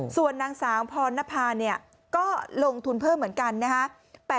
ส่วนนางสาวพรณภาเนี่ยก็ลงทุนเพิ่มเหมือนกันนะฮะ